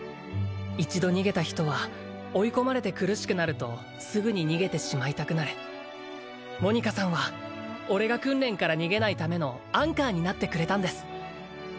一度逃げた人は追い込まれて苦しくなるとすぐに逃げてしまいたくなるモニカさんは俺が訓練から逃げないためのアンカーになってくれたんです